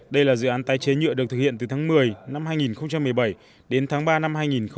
đây là dự án tái chế nhựa được thực hiện từ tháng một mươi năm hai nghìn một mươi bảy đến tháng ba năm hai nghìn một mươi chín